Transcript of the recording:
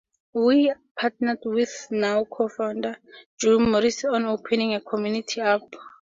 We partnered with my now co-founder Drew Morris on opening a community up;